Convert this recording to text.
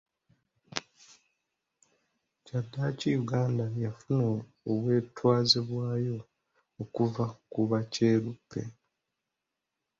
Kyaddaaki Uganda yafuna obwetwaze bwayo okuva ku Bakyeruppe.